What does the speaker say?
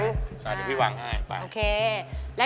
ค่ะสามารถพี่วางให้